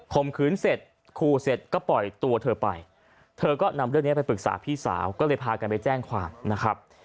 มขืนเสร็จขู่เสร็จก็ปล่อยตัวเธอไปเธอก็นำเรื่องนี้ไปปรึกษาพี่สาวก็เลยพากันไปแจ้งความนะครับ